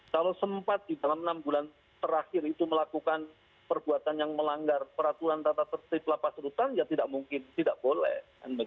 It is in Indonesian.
kalau sempat di dalam enam bulan terakhir itu melakukan perbuatan yang melanggar peraturan tata tertib lapas rutan ya tidak mungkin tidak boleh